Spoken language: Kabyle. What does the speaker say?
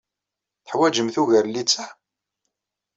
Teḥwajemt ugar n littseɛ?